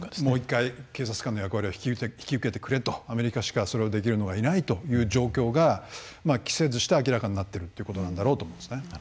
もう１回警察官の役割を引き受けてくれとアメリカしかそれをできるのはいないという状況が期せずして明らかになっているということなんだろうと思いますね。